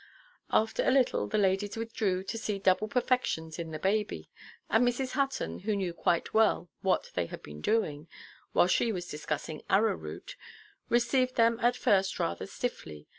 After a little, the ladies withdrew, to see double perfections in the baby, and Mrs. Hutton, who knew quite well what they had been doing, while she was discussing arrowroot, received them at first rather stiffly.